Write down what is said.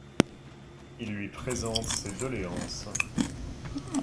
Il lui présente ses doléances.